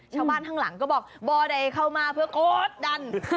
ข้างหลังก็บอกบ่ได้เข้ามาเพื่อกดดัน